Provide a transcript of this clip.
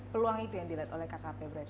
peluang itu yang dilihat oleh kkp brex